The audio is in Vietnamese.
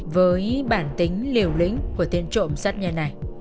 với bản tính liều lĩnh của tên trộm sắt nhân này